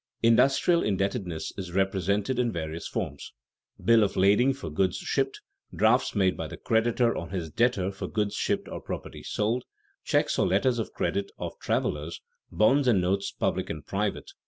Industrial indebtedness is represented in various forms: bills of lading for goods shipped, drafts made by the creditor on his debtor for goods shipped or property sold, checks or letters of credit of travelers, bonds and notes public and private.